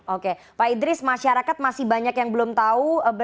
oke pak idris masyarakat masih banyak yang belum tahu